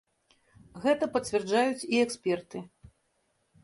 Гэта пацвярджаюць і эксперты.